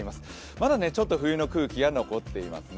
まだちょっと冬の空気が残っていますね。